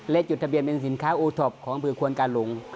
และจุดทะเบียนเป็นสินค้าอูทบของผู้ควรกาหลง